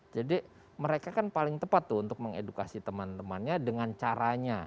jadi mereka kan paling tepat untuk mengedukasi teman temannya dengan caranya